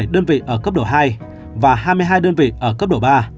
hai mươi bảy đơn vị ở cấp độ hai và hai mươi hai đơn vị ở cấp độ ba